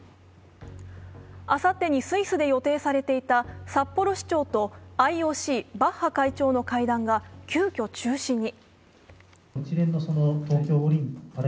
あさってにスイスで予定されていた札幌市長とＩＯＣ、バッハ会長との会談が急きょ中止に。